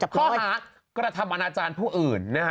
เข้าหากระทรธรรมนาจารย์ผู้อื่น